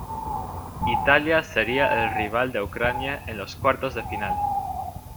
Italia sería el rival de Ucrania en los cuartos de final.